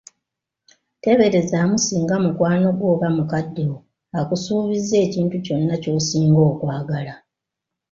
Teeberezaamu singa mukwano gwo oba mukadde wo akusuubizza ekintu kyonna ky'osinga okwagala!